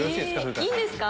いいんですか？